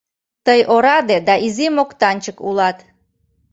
Тый ораде да изи моктанчык улат.